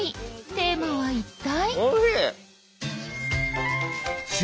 テーマは一体？